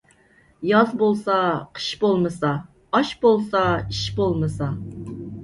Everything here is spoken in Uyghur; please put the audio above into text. ياز بولسا قىش بولمىسا، ئاش بولسا ئىش بولمىسا.